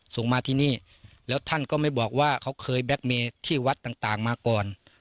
ส่งมาที่นี่แล้วท่านก็ไม่บอกว่าเขาเคยแบล็กเมย์ที่วัดต่างมาก่อน